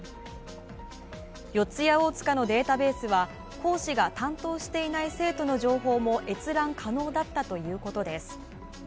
四谷大塚のデータベースは講師が担当していない生徒の情報も閲覧可能だったということです